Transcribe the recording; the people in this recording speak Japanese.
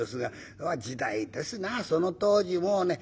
時代ですなその当時もうね